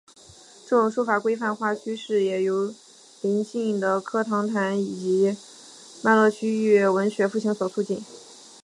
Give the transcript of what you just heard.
这种书写规范化趋势也由临近的科唐坦以及诺曼底区域的初步诺曼语文学复兴所促进。